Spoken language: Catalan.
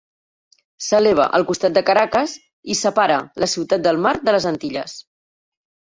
S'eleva al costat de Caracas i separa la ciutat del mar de les Antilles.